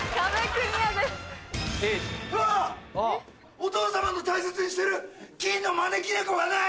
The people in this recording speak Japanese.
お父様の大切にしてる金の招き猫がない！